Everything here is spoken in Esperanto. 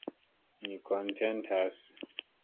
Ni kontentas.